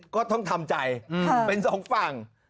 ก็ต้องทำใจเป็นสองฝั่ง